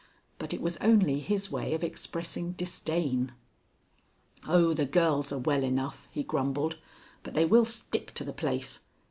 But it was only his way of expressing disdain. "Oh, the girls are well enough," he grumbled; "but they will stick to the place.